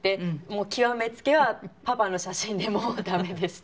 極め付きはパパの写真でもうダメでしたね。